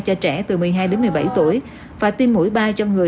cho trẻ từ một mươi hai đến một mươi bảy tuổi và tiêm mũi ba cho người